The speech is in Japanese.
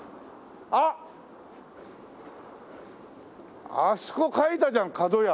あっ！あそこ描いたじゃんかどや。